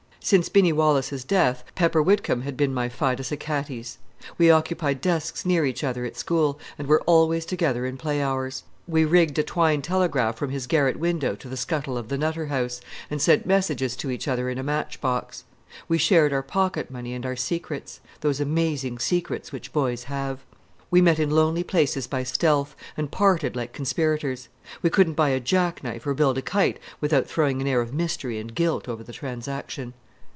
Since Binny Wallace's death, Pepper Whitcomb had been my fidus Achates; we occupied desks near each other at school, and were always together in play hours. We rigged a twine telegraph from his garret window to the scuttle of the Nutter House, and sent messages to each other in a match box. We shared our pocket money and our secrets those amazing secrets which boys have. We met in lonely places by stealth, and parted like conspirators; we couldn't buy a jackknife or build a kite without throwing an air of mystery and guilt over the transaction.